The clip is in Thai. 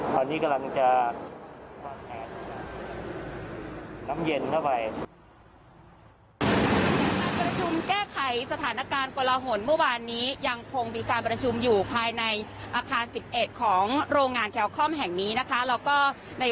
ตอนนี้กำลังจะน้ำเย็นเข้าไป